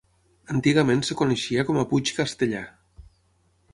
Antigament es coneixia com a puig Castellar.